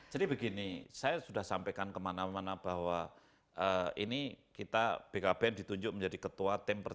jadi begini saya sudah sampaikan kemana mana bahwa ini kita bkb ditunjuk menjadi ketua tim pertempuran